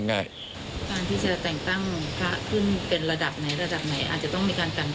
การที่จะแต่งตั้งค่าขึ้นเป็นระดับไหนระดับไหน